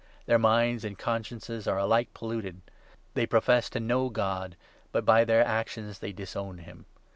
Their minds and consciences are alike polluted. They profess to know God, but by their 16 actions they disown him.